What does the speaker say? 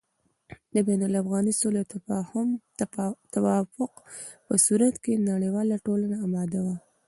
د بين الافغاني سولې او توافق په صورت کې نړېواله ټولنه اماده وه